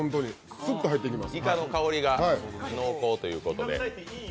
すっと入っていきます。